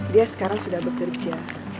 dia sekarang sudah bekerja